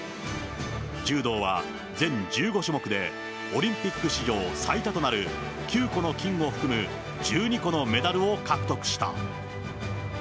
柔道は全１５種目で、オリンピック史上最多となる９個の金を含む１２個のメダルを獲得した。